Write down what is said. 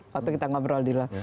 waktu kita ngobrol dulu